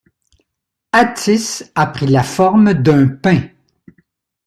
Atys a pris la forme d’un pin.